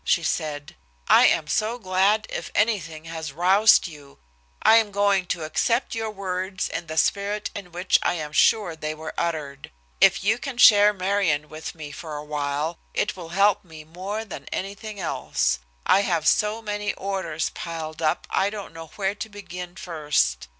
she said. "I am so glad if anything has roused you. And I'm going to accept your words in the spirit in which I am sure they were uttered. If you can share Marion with me for awhile, it will help me more than anything else. I have so many orders piled up, I don't know where to begin first.